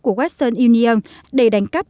của western union để đánh cắp